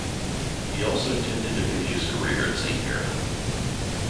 He also intended to finish his career at St Mirren.